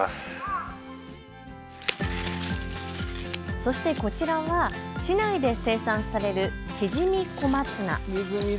そしてこちらは市内で生産されるちぢみ小松菜。